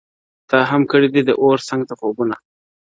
تا هم کړي دي د اور څنګ ته خوبونه؟!.!